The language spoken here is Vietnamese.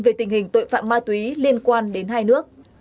về tình hình tội phạm ma túy liên quan đến hai nước